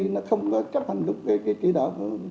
nó không có chấp hành đúng cái chỉ đạo